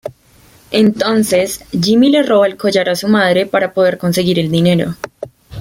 Entonces Jimmy le roba el collar a su madre para poder conseguir el dinero.